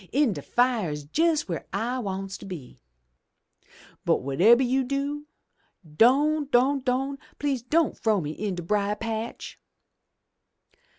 In de fire's jes' w'ere I wants to be. But, whatebber you do, don', don', don', please don' frow me in de brier patch!'